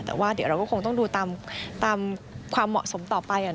แต่ว่าเดี๋ยวเราก็คงต้องดูตามความเหมาะสมต่อไป